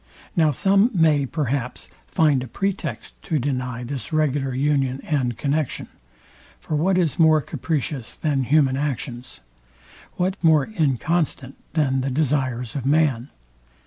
Now some may, perhaps, find a pretext to deny this regular union and connexion. For what is more capricious than human actions? What more inconstant than the desires of man?